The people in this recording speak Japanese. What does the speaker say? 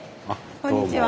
こんにちは。